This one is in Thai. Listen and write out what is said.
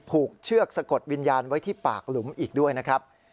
เชือกสะกดวิญญาณไว้ที่ปากหลุมอีกด้วยนะครับ